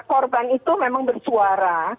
karena itu memang bersuara